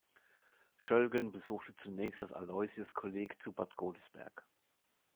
Schöllgen besuchte zunächst das Aloisiuskolleg zu Bad Godesberg.